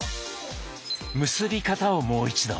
結び方をもう一度。